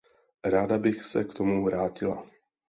Ráda bych se k tomu vrátila.